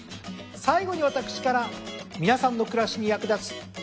最後に私から皆さんの暮らしに役立つ彩り情報です。